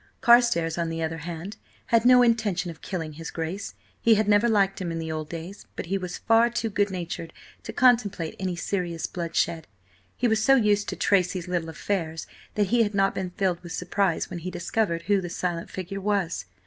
Carstares, on the other hand, had no intention of killing his Grace. He had never liked him in the old days, but he was far too good natured to contemplate any serious bloodshed. He was so used to Tracy's little affairs that he had not been filled with surprise when he discovered who the silent figure was.